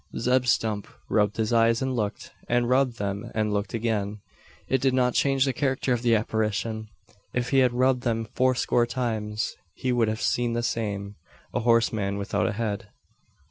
Zeb Stump rubbed his eyes and looked; and rubbed them and looked again. It did not change the character of the apparition. If he had rubbed them fourscore times, he would have seen the same a horseman without a head.